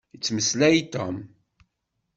Yettmeslay Tom.